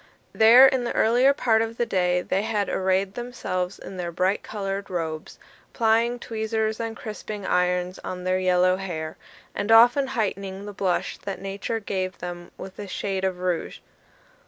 There, in the earlier part of the day, they had arrayed themselves in their bright coloured robes, plying tweezers and crisping irons on their yellow hair, and often heightening the blush that Nature gave them with a shade of rouge.